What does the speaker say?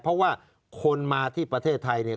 เพราะว่าคนมาที่ประเทศไทยเนี่ย